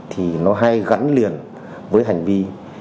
thì nó hay gắn liền với hành vi